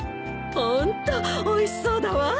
ホントおいしそうだわ。